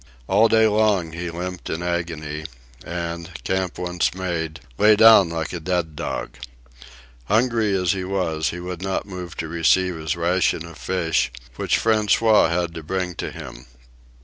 All day long he limped in agony, and camp once made, lay down like a dead dog. Hungry as he was, he would not move to receive his ration of fish, which François had to bring to him.